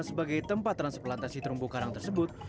sebagai tempat transplantasi terumbu karang tersebut